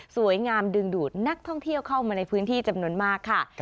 สวยงามดึงดูดนักท่องเที่ยวเข้ามาในพื้นที่จำนวนมากค่ะ